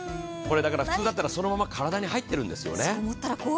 これ普通だったらこのまま体に入っているんですよね。